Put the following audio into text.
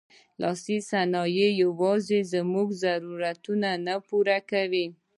لاسي صنایع یوازې زموږ ضرورتونه نه پوره کوي.